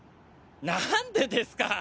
何でですか。